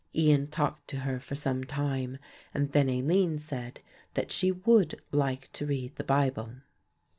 Ian talked to her for some time, and then Aline said that she would like to read the Bible.